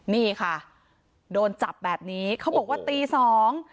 นี่ค่ะโดนจับแบบนี้เขาบอกว่าตีสอง